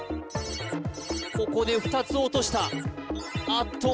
ここで２つ落としたあっと